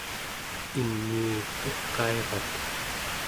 inii iqairat